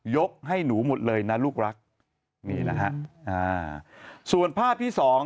ให้หนูหมดเลยนะลูกรักนี่นะฮะอ่าส่วนภาพที่สอง